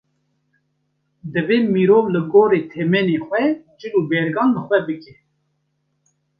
Divê mirov li gorî temenê xwe cil û bergan li xwe bike.